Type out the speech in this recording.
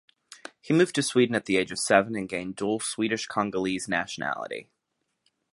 He moved to Sweden at the age of seven and gained dual Swedish-Congolese nationality.